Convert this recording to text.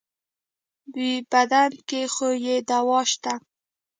بدن کې خو يې دوا شته.